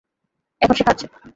এখন সে খাচ্ছে।